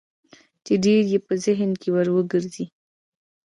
چې ډېر يې په ذهن کې ورګرځي.